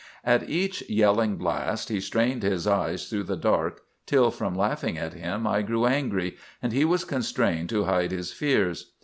"At each yelling blast he strained his eyes through the dark, till from laughing at him I grew angry, and he was constrained to hide his fears.